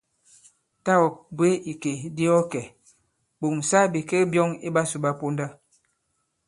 Tâ ɔ̀ bwě ìkè di ɔ kɛ̀, ɓòŋsa bìkek byɔ̄ŋ i ɓasū ɓa ponda.